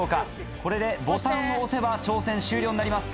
これでボタンを押せば挑戦終了になります。